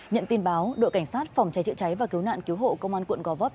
nhận tin báo đội cảnh sát phòng cháy chữa cháy và cứu nạn cứu hộ công an quận gò vấp